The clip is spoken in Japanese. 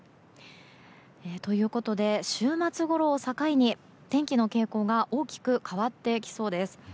ということで、週末ごろを境に天気の傾向が大きく変わってきそうです。